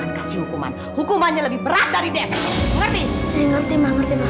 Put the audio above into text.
mana akan kasih hukuman hukumannya lebih berat dari dev ngerti ngerti maaf sedih iya mah